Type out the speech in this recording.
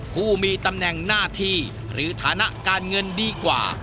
ผู้มีตำแหน่งหน้าที่หรือฐานะการเงินดีกว่า